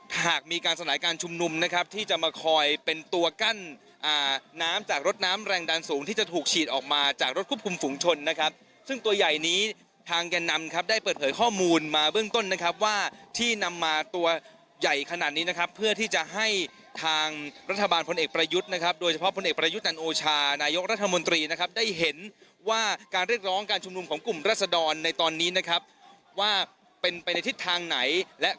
หากมีการสนายการชุมนุมนะครับที่จะมาคอยเป็นตัวกั้นน้ำจากรถน้ำแรงดันสูงที่จะถูกฉีดออกมาจากรถคุบคุมฝุงชนนะครับซึ่งตัวใหญ่นี้ทางแก่นำครับได้เปิดเผยข้อมูลมาเบื้องต้นนะครับว่าที่นำมาตัวใหญ่ขนาดนี้นะครับเพื่อที่จะให้ทางรัฐบาลพลเอกประยุทธ์นะครับโดยเฉพาะพลเอกประยุทธ์อันโอชานาย